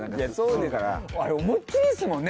あれ思いっきりですもんね？